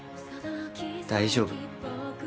大丈夫。